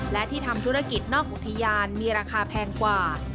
และที่ทำธุรกิจนอกอุทยานมีราคาแพงกว่า